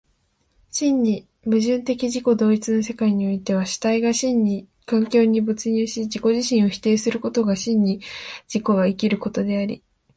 真に矛盾的自己同一の世界においては、主体が真に環境に没入し自己自身を否定することが真に自己が生きることであり、